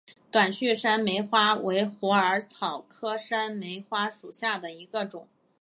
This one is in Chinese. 短序山梅花为虎耳草科山梅花属下的一个种。